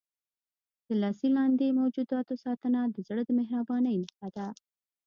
د لاس لاندې موجوداتو ساتنه د زړه د مهربانۍ نښه ده.